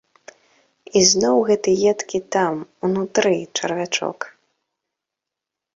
І зноў гэты едкі там, унутры, чарвячок.